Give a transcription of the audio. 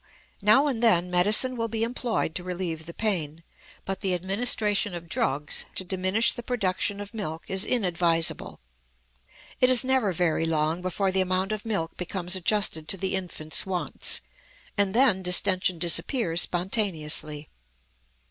Now and then medicine will be employed to relieve the pain, but the administration of drugs to diminish the production of milk is inadvisable. It is never very long before the amount of milk becomes adjusted to the infant's wants, and then distention disappears spontaneously.